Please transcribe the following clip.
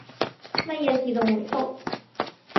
乜嘢自動回覆？